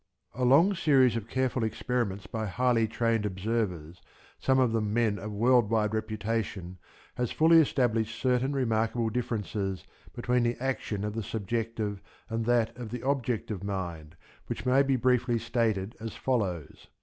A long series of careful experiments by highly trained observers, some of them men of world wide reputation, has fully established certain remarkable differences between the action of the subjective and that of the objective mind which may be briefly stated as follows.